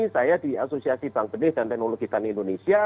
saya di asosiasi bank benih dan teknologi tani indonesia